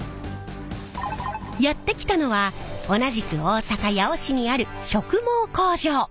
やって来たのは同じく大阪・八尾市にある植毛工場。